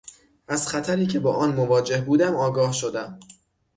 از خطری که با آن مواجه بودم آگاه شدم.